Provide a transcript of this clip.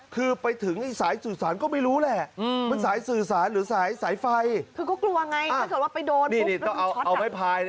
ก้มก้ม